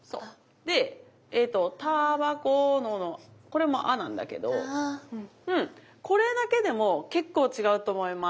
でえっと「煙草の」これも「あ」なんだけどこれだけでも結構違うと思います。